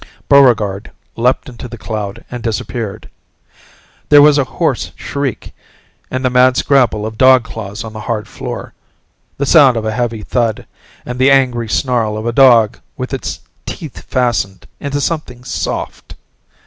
Buregarde leaped into the cloud and disappeared. There was a hoarse shriek and the mad scrabble of dog claws on the hard floor, the sound of a heavy thud, and the angry snarl of a dog with its teeth fastened into something soft.